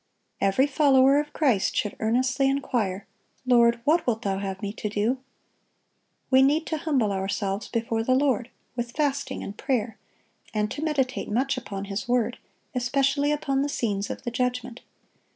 Every follower of Christ should earnestly inquire, "Lord, what wilt Thou have me to do?" We need to humble ourselves before the Lord, with fasting and prayer, and to meditate much upon His word, especially upon the scenes of the judgment.